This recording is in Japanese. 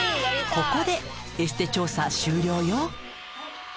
ここでエステ調査終了よ。